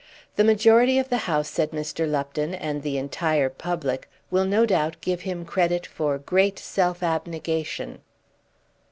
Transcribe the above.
"The majority of the House," said Mr. Lupton, "and the entire public, will no doubt give him credit for great self abnegation."